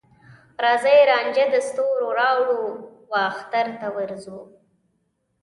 راځې رانجه د ستوروراوړو، واخترته ورځو